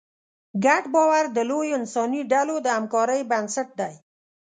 ګډ باور د لویو انساني ډلو د همکارۍ بنسټ دی.